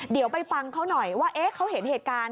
เดี๋ยวไปฟังเขาหน่อยว่าเขาเห็นเหตุการณ์